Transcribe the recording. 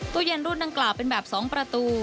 ตู้เย็นรุ่นดังกล่าวเป็นแบบ๒ประตู